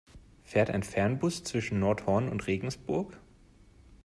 Fährt ein Fernbus zwischen Nordhorn und Regensburg?